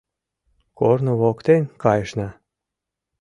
Корно воктен кайышна -